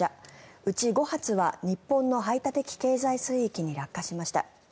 うち５発は日本の排他的経済水域に落下しました。